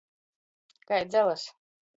Kai dzelys?